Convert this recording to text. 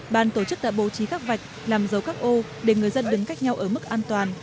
ban tổ chức đã bố trí các vạch làm dấu các ô để người dân đứng cách nhau ở mức an toàn